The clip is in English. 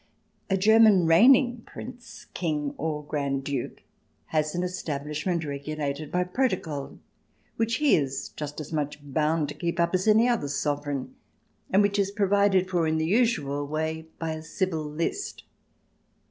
A German reigning Prince, King, or Grand Duke, has an establishment, regulated by protocol, which he is just as much bound to keep up as any other Sovereign, and which is provided for in the usual way by a civil list.